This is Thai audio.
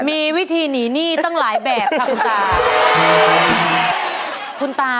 มีวิธีหนีหนี้ตั้งหลายแบบค่ะคุณตา